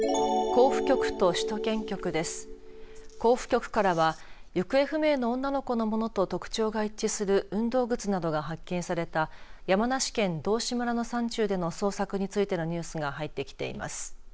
甲府局からは行方不明の女の子のものと特徴が一致する運動靴などが発見された山梨県道志村の山中での捜索についてのニュースが入ってきています。